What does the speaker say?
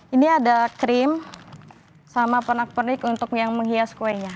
ini ada krim sama pernak pernik untuk yang menghias kuenya